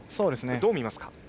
どう見ますか？